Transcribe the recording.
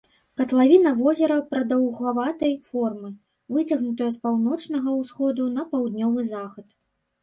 Катлавіна возера прадаўгаватай формы, выцягнутая з паўночнага ўсходу на паўднёвы захад.